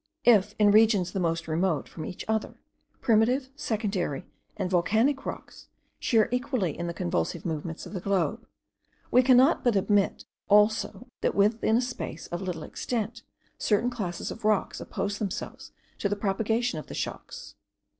If, in regions the most remote from each other, primitive, secondary, and volcanic rocks, share equally in the convulsive movements of the globe; we cannot but admit also that within a space of little extent, certain classes of rocks oppose themselves to the propagation of the shocks.